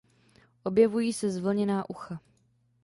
Objevují se zvlněná ucha.